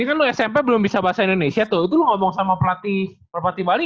ini kan lu smp belum bisa bahasa indonesia tuh dulu ngomong sama pelatih bali